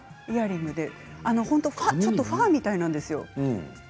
イヤリングでちょっとファーみたいなんですよ。